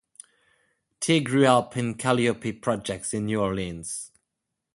Tee grew up in the Calliope Projects in New Orleans.